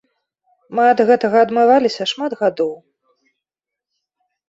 Мы ад гэтага адмываліся шмат гадоў.